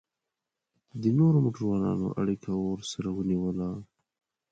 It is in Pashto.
د نورو موټرانو اړیکه ورسره ونیوله.